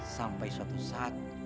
sampai suatu saat